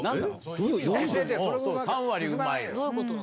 どういうこと？